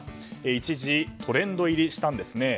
一時、トレンド入りしたんですね。